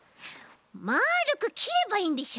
まるくきればいいんでしょ？